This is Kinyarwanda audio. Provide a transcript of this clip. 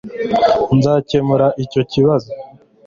Nzakemura icyo kibazo